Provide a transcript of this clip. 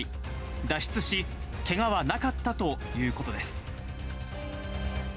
脱出し、けがはなかったということです。